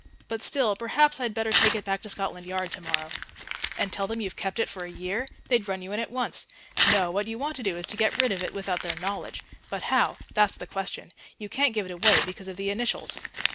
"But still, perhaps I'd better take it back to Scotland Yard to morrow." "And tell them you've kept it for a year? They'd run you in at once. No, what you want to do is to get rid of it without their knowledge. But how that's the question. You can't give it away because of the initials."